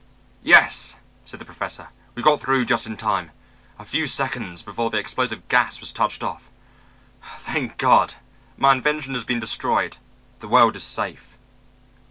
"Yes," said the Professor, "we got through just in time a few seconds before the explosive gas was touched off. Thank God, my invention has been destroyed. The world is safe."